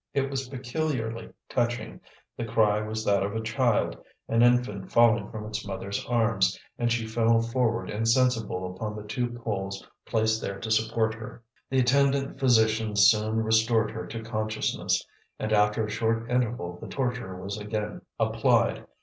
It was peculiarly touching; the cry was that of a child, an infant falling from its mother's arms, and she fell forward insensible upon the two poles placed there to support her. The attendant physicians soon restored her to consciousness, and, after a short interval, the torture was again applied.